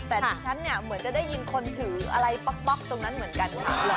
แต่ดิฉันเนี่ยเหมือนจะได้ยินคนถืออะไรป๊อกตรงนั้นเหมือนกัน